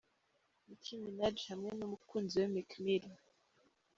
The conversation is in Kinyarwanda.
Nicki Minaji hamwe n'umukunzi we Meek Mill.